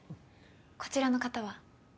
こちらの方は？